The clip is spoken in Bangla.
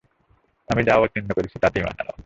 আমি যা অবতীর্ণ করেছি তাতে ঈমান আন।